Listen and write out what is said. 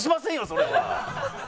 それは。